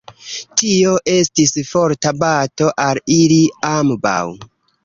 Tio estis forta bato al ili ambaŭ.